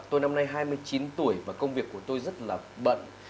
tôi năm nay hai mươi chín tuổi và công việc của tôi rất là bận